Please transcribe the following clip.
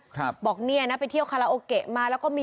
อเจมส์ใช่ครับ